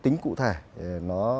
tính cụ thể nó